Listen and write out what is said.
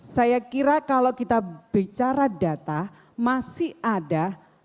saya kira kalau kita bicara data masih ada